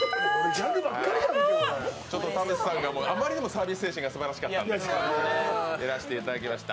田渕さんがあまりにもサービス精神がすばらしかったんでやらせていただきました。